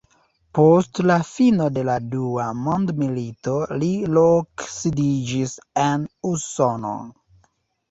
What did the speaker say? Post la fino de la dua mondmilito li loksidiĝis en Usono.